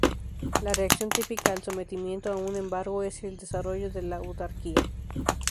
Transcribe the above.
La reacción típica al sometimiento a un embargo es el desarrollo de la autarquía.